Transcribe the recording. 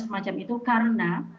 semacam itu karena